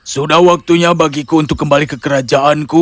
sudah waktunya bagiku untuk kembali ke kerajaanku